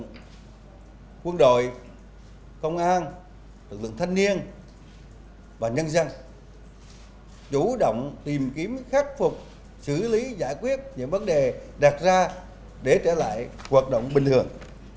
chính phủ yêu cầu quân đội công an lực lượng thân niên và nhân dân chủ động tìm kiếm khắc phục xử lý giải quyết những vấn đề đạt ra để trở lại hoạt động bình thường